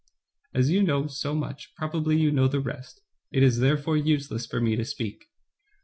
As you know so much, probably you know the rest. It is therefore useless for me to speak."